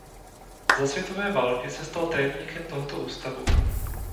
Za světové války se stal tajemníkem tohoto ústavu.